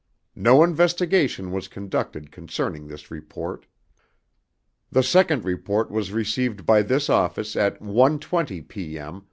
No investigation was conducted concerning this report. The second report was received by this office at 1:20 p.m.